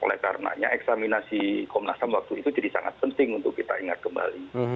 oleh karenanya eksaminasi komnas ham waktu itu jadi sangat penting untuk kita ingat kembali